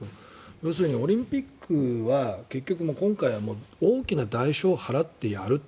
要するにオリンピックは結局今回は大きな代償を払ってやると。